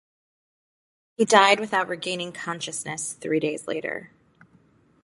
He died without regaining consciousness three days later.